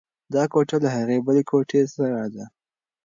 دا کوټه له هغې بلې کوټې سړه ده.